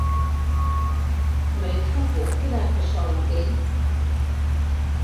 No et fa por quedar-te sola amb ell?